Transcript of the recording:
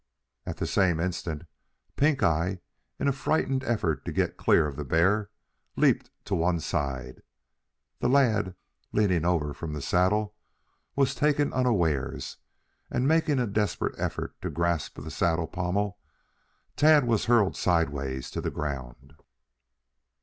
At the same instant, Pink eye in a frightened effort to get clear of the bear, leaped to one side. The lad, leaning over from the saddle, was taken unawares, and making a desperate effort to grasp the saddle pommel, Tad was hurled sideways to the ground.